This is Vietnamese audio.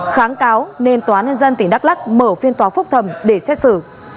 kháng cáo nên tòa án nhân dân tỉnh đắk lắc mở phiên tòa phúc thầm để xét xử